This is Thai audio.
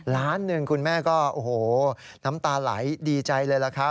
ล้านหนึ่งคุณแม่ก็โอ้โหน้ำตาไหลดีใจเลยล่ะครับ